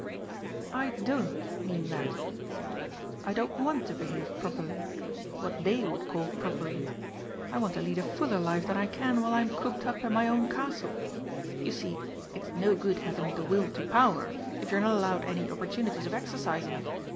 "I don't mean that," he said; "I don't want to behave properly what they would call properly. I want to lead a fuller life than I can while I'm cooped up in my own Castle. You see, it's no good having the Will to Power if you're not allowed any opportunities of exercising it.